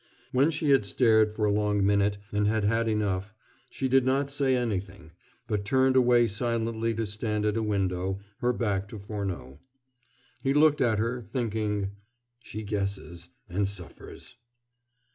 When she had stared for a long minute, and had had enough, she did not say anything, but turned away silently to stand at a window, her back to Furneaux. He looked at her, thinking: "She guesses, and suffers."